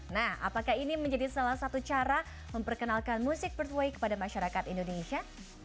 nah apakah ini menjadi salah satu cara memperkenalkan musik breadway kepada masyarakat indonesia